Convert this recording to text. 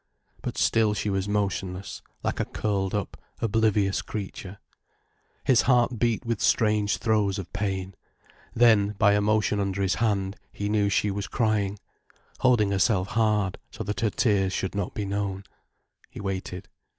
But still she was motionless, like a curled up, oblivious creature. His heart beat with strange throes of pain. Then, by a motion under his hand, he knew she was crying, holding herself hard so that her tears should not be known. He waited.